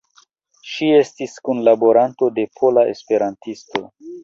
Ŝi estis kunlaboranto de Pola Esperantisto.